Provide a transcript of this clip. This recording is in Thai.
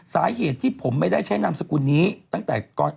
สาเหตุที่ผมไม่ได้ใช้นามสกุลนี้ตั้งแต่ก่อน